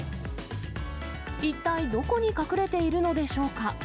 一体どこに隠れているのでしょうか。